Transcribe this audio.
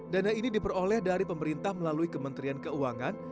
dana ini diperoleh dari pemerintah melalui kementerian keuangan